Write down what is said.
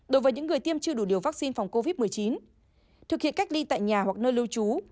đối với những người tiêm chưa đủ điều vaccine phòng covid một mươi chín thực hiện cách ly tại nhà hoặc nơi lưu trú